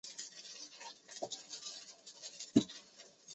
大黑沟岩画的历史年代为待考。